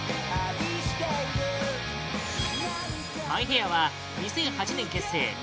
マイヘアは２００８年結成